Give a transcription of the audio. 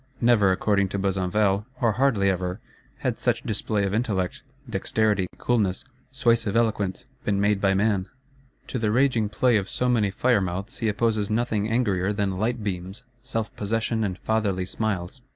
Never, according to Besenval, or hardly ever, had such display of intellect, dexterity, coolness, suasive eloquence, been made by man. To the raging play of so many fire mouths he opposes nothing angrier than light beams, self possession and fatherly smiles.